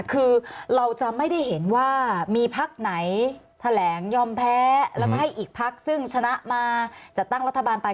คือเราจะไม่ได้เห็นว่ามีพักไหนแถลงยอมแพ้แล้วก็ให้อีกพักซึ่งชนะมาจัดตั้งรัฐบาลไป